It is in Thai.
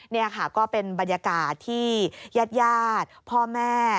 เนี่ยค่ะก็เป็นบรรยากาศที่ยาดพ่อแม่